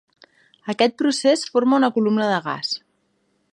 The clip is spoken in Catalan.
Aquest procés forma una columna de gas.